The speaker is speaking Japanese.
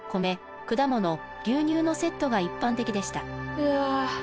うわ。